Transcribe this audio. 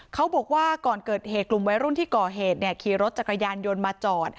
เขาบอกว่าก่อนเกิดเหตุกลุ่มวัยรุ่นที่ก่อเหตุขี่รถจักรยานยนต์มาจอด